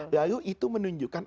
lalu itu menunjukkan